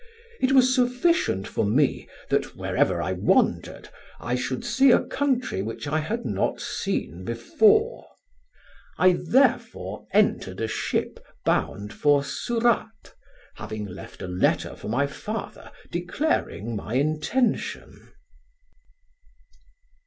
It was sufficient for me that, wherever I wandered, I should see a country which I had not seen before. I therefore entered a ship bound for Surat, having left a letter for my father declaring my intention."